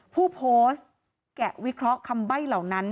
ผู้โพสต์แกะวิเคราะห์คำใบ้เหล่านั้น